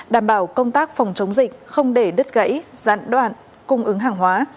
đảm bảo công tác phòng chống dịch không để đất gãy giãn đoạn cung ứng hàng hóa